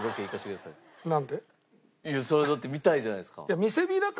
いやそれはだって見たいじゃないですか。